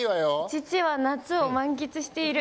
父は夏を満喫している。